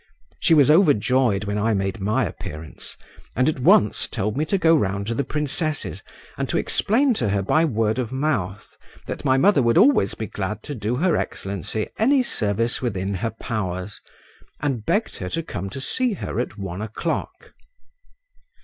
She was overjoyed when I made my appearance, and at once told me to go round to the princess's, and to explain to her by word of mouth that my mother would always be glad to do her excellency any service within her powers, and begged her to come to see her at one o'clock.